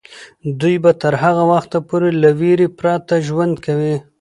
دوی به تر هغه وخته پورې له ویرې پرته ژوند کوي.